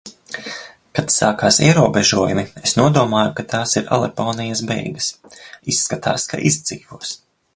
Kad sākās ierobežojumi, es nodomāju, ka tās ir Aleponijas beigas. Izskatās, ka izdzīvos.